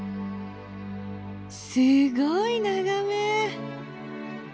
すごい眺め。